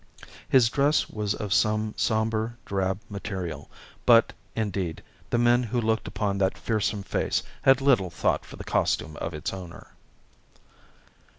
His dress was of some sombre drab material, but, indeed, the men who looked upon that fearsome face had little thought for the costume of its owner.